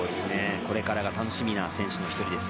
これからが楽しみな選手の一人です。